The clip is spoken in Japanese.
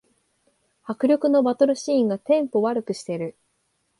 迫力のバトルシーンがテンポ悪くしてる